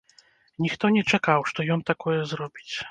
Ніхто не чакаў, што ён такое зробіць.